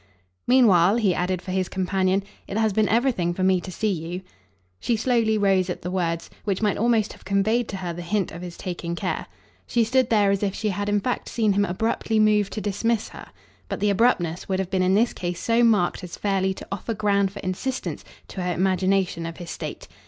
"Meanwhile," he added for his companion, "it has been everything for me to see you." She slowly rose at the words, which might almost have conveyed to her the hint of his taking care. She stood there as if she had in fact seen him abruptly moved to dismiss her. But the abruptness would have been in this case so marked as fairly to offer ground for insistence to her imagination of his state.